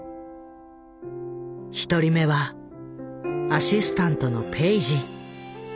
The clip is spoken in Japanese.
１人目はアシスタントのペイジ。